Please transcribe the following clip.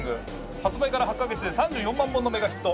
発売から８カ月で３４万本のメガヒット！